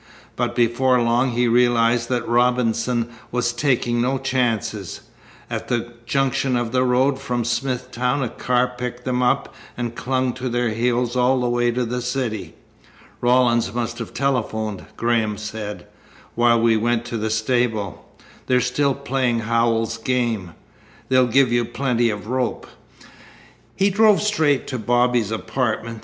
But before long he realized that Robinson was taking no chances. At the junction of the road from Smithtown a car picked them up and clung to their heels all the way to the city. "Rawlins must have telephoned," Graham said, "while we went to the stable. They're still playing Howells's game. They'll give you plenty of rope." He drove straight to Bobby's apartment.